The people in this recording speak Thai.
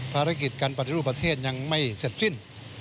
ภารกิจการปฏิรูปประเทศยังไม่เสร็จสิ้น